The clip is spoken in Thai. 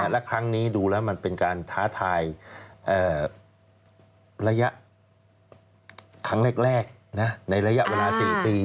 และครั้งนี้ดูแล้วมันเป็นการท้าทายระยะครั้งแรกในระยะเวลา๔ปี